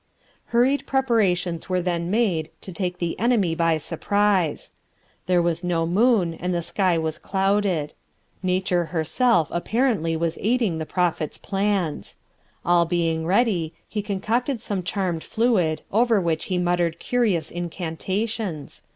Hurried preparations were then made to take the enemy by surprise. There was no moon and the sky was clouded. Nature herself apparently was aiding the Prophet's plans. All being ready, he concocted some charmed fluid, over which he muttered curious incantations.